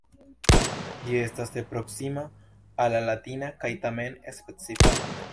Ĝi estas tre proksima al la latina kaj tamen specifa.